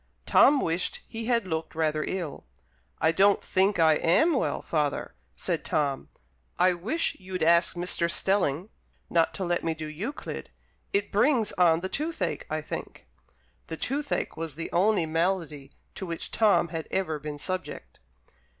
Tom wished he had looked rather ill. "I don't think I am well, father," said Tom; "I wish you'd ask Mr. Stelling not to let me do Euclid it brings on the toothache, I think." (The toothache was the only malady to which Tom had ever been subject.)